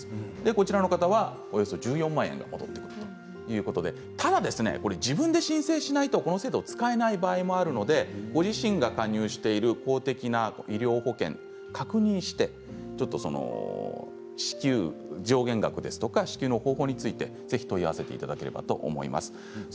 こちらの方はおよそ１４万円戻ってくるということでただ自分で申請しないとこの制度使えない場合があるのでご自身が加入している公的な医療保険を確認して支給上限額、支給の方法についてぜひ問い合わせていただければと思います。